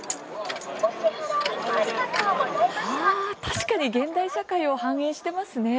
確かに現代社会を反映してますね。